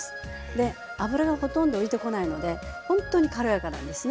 で脂がほとんど浮いてこないのでほんとに軽やかなんですね。